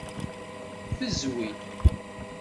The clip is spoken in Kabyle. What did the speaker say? Ffezwi.